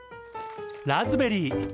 ラズベリー。